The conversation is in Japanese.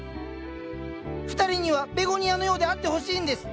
二人にはベゴニアのようであってほしいんです。